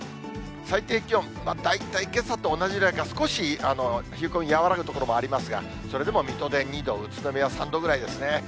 最低気温、大体けさと同じぐらいか、少し冷え込み和らぐ所もありますが、それでも水戸で２度、宇都宮３度ぐらいですね。